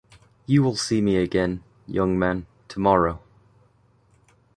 You will see me again, young man, tomorrow.